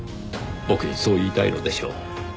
僕にそう言いたいのでしょう。